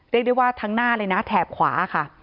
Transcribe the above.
เรียกได้ว่าทั้งหน้าเลยนะแถบขวาค่ะ